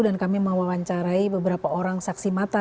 dan kami mewawancarai beberapa orang saksi mata